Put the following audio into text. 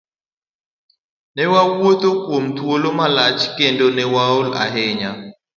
Newawuotho kuom thuolo malach kendo ne waol ahinya.